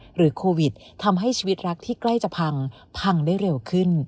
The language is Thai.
หรือโควิดทำให้ชีวิตรักที่ใกล้จะพังพังได้เร็วขึ้น